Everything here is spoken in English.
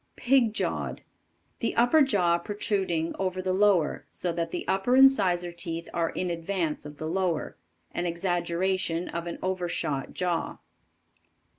Pig jawed. The upper jaw protruding over the lower, so that the upper incisor teeth are in advance of the lower, an exaggeration of an over shot jaw.